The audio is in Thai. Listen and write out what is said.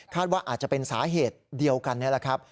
ว่าอาจจะเป็นสาเหตุเดียวกันนี่แหละครับ